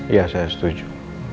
iya saya setuju